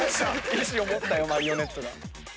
意思を持ったよマリオネットが。